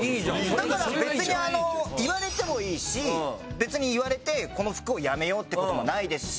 だから別に言われてもいいし別に言われてこの服をやめようって事もないですし。